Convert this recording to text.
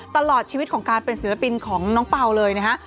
ตลอดชีวิตของการเป็นศิลปินของน้องเปล่าเลยนะฮะ